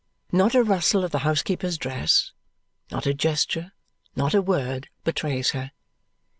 Not a rustle of the housekeeper's dress, not a gesture, not a word betrays her.